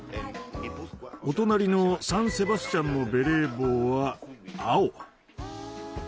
お隣のサン・セバスチャンのベレー帽は青。